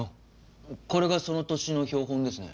これがその年の標本ですね。